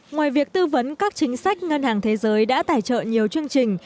ngoài việc tư vấn các chính sách ngân hàng thế giới đã tài trợ nhiều chương trình